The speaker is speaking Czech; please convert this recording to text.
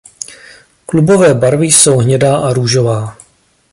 Klubové barvy jsou hnědá a růžová.